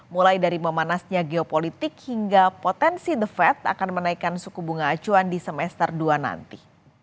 mulai dari memanasnya geopolitik hingga potensi the fed akan menaikkan suku bunga acuan di semester dua nanti